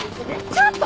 ちょっと！